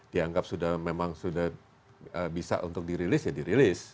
dianggap memang sudah bisa untuk dirilis ya dirilis